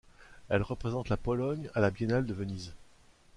Elle représente la Pologne à la Biennale de Venise.